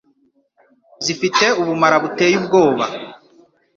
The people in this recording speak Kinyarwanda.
zifite ubumara buteye ubwoba